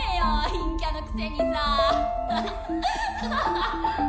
陰キャのくせにさ。